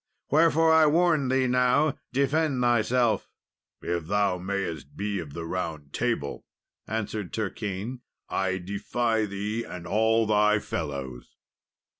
Wherefore, I warn thee now, defend thyself." "If thou mayest be of the Round Table," answered Turquine, "I defy thee, and all thy fellows."